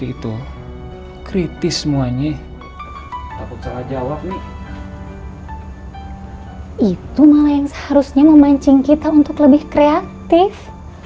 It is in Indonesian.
itu kritis semuanya aku telah jawab nih itu malah yang seharusnya memancing kita untuk lebih kreatif